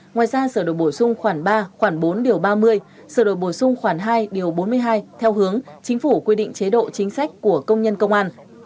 ngoài ra sửa đổi bổ sung khoảng ba khoảng bốn điều ba mươi sửa đổi bổ sung khoảng hai bốn mươi hai theo hướng chính phủ quy định chế độ chính sách của công nhân công an